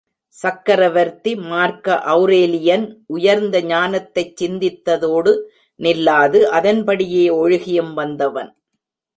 Chakravarthy Marcus Aurelian, உயர்ந்த ஞானத்தைச் சிந்தித்ததோடு நில்லாது, அதன்படியே ஒழுகியும் வந்தவன்.